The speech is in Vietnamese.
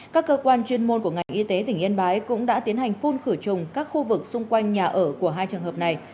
các cơ quan chuyên môn của ngành y tế tỉnh yên bái cũng đã tiến hành phun khử trùng các khu vực xung quanh nhà ở của hai trường hợp này